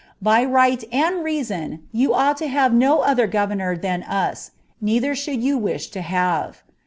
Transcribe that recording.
By right and n^sson you Hht to have no other governor than us, neither should you wish to have.